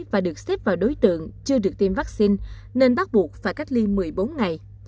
và được xếp vào đối tượng chưa được tiêm vaccine nên bắt buộc phải cách ly một mươi bốn ngày